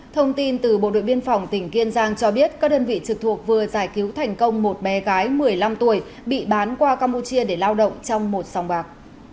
thông tin từ bộ đội biên phòng tỉnh kiên giang cho biết các đơn vị trực thuộc vừa giải cứu thành công một bé gái một mươi năm tuổi bị bán qua campuchia để lao động trong một sòng bạc